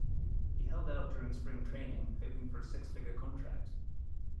He held out during spring training, hoping for a six-figure contract.